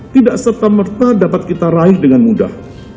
tidak serta merta dapat kita raih dengan mudah